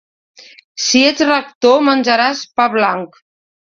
Si ets rector menjaràs pa blanc.